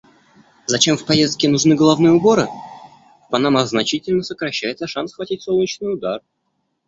Зачем в поездке нужны головные уборы? В панамах значительно сокращается шанс схватить солнечный удар.